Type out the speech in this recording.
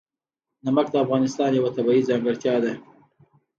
نمک د افغانستان یوه طبیعي ځانګړتیا ده.